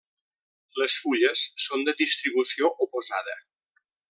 Les fulles són de distribució oposada.